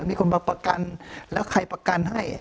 มีคนมาประกันแล้วใครประกันให้